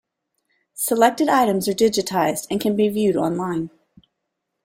Selected items are digitized and can be viewed online.